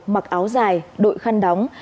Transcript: mặc áo dài đội khăn đóng